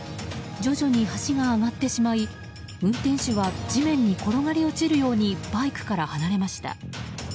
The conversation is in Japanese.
徐々に橋が上がってしまい運転手は地面に転がり落ちるようにバイクから離れました。